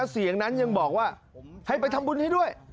เสียงนั้นยังบอกว่าให้ไปทำบุญให้ด้วย